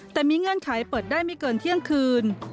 แต่มีเงื่อนไขเปิดได้ไม่เกินเที่ยงคืน